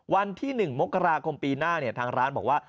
วันที่๑มกราคมปีหน้าทางร้านบอกว่า